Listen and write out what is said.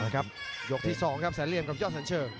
ยกที่๒ครับแสนเหลี่ยมกับยอดสัญเชิง